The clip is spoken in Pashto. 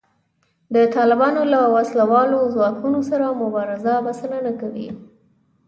د طالبانو له وسله والو ځواکونو سره مبارزه بسنه نه کوي